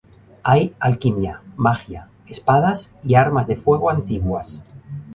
Hay alquimia, magia, espadas y armas de fuego antiguas.